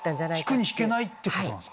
引くに引けないってことですか。